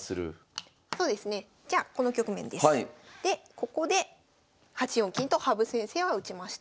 ここで８四金と羽生先生は打ちました。